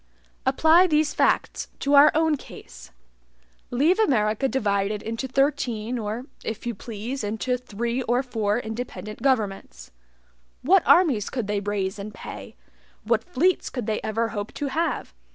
Apply these facts to our own case. Leave America divided into thirteen or, if you please, into three or four independent governments what armies could they raise and pay what fleets could they ever hope to have?